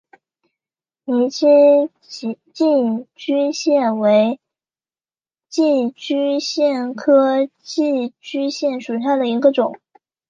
泥栖寄居蟹为寄居蟹科寄居蟹属下的一个种。